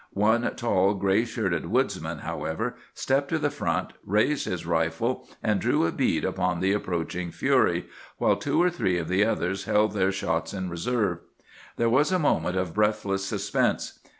One tall, gray shirted woodsman, however, stepped to the front, raised his rifle, and drew a bead upon the approaching fury, while two or three of the others held their shots in reserve. There was a moment of breathless suspense.